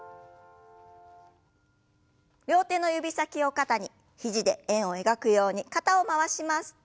両手の指先を肩に肘で円を描くように肩を回します。